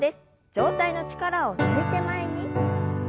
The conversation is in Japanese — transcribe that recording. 上体の力を抜いて前に。